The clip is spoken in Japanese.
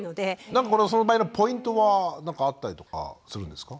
なんかその場合のポイントは何かあったりとかするんですか？